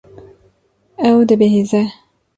Ew dibihîze.